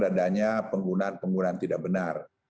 adanya penggunaan penggunaan tidak benar